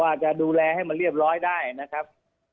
อาจจะดูแลให้มันเรียบร้อยได้นะครับ